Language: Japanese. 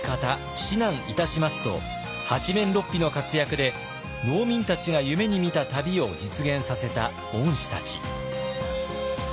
指南いたします」と八面六臂の活躍で農民たちが夢にみた旅を実現させた御師たち。